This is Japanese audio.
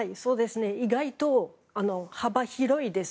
意外と幅広いです。